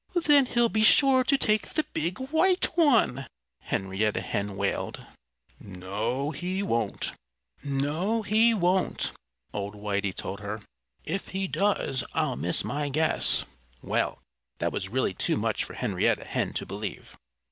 "Then he'll be sure to take the big, white one," Henrietta Hen wailed. "No, he won't," old Whitey told her. "If he does, I'll miss my guess." Well, that was really too much for Henrietta Hen to believe.